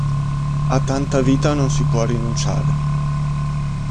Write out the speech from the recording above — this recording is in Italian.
A tanta vita non si può rinunciare.